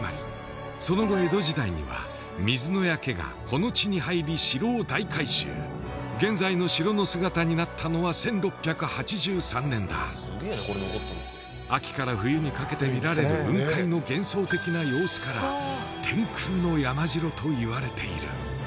その後江戸時代には水谷家がこの地に入り城を大改修現在の城の姿になったのは１６８３年だ秋から冬にかけて見られる雲海の幻想的な様子から天空の山城といわれている